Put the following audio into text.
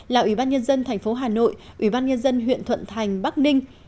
là ủy ban nhân dân tp hà nội ủy ban nhân dân huyện thuận thành bắc ninh